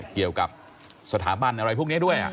เกี่ยวกับสถาบันอะไรพวกนี้ด้วย